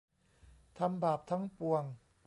ทำบาปทั้งปวง